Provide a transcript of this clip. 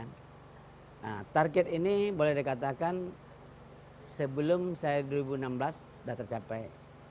nah target ini boleh dikatakan sebelum saya dua ribu enam belas sudah tercapai